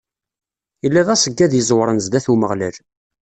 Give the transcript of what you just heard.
Illa d aṣeggad iẓewren zdat n Umeɣlal.